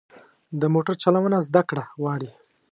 د موټر چلوونه زده کړه غواړي.